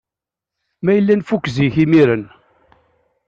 Ma yella nfuk zik imiren.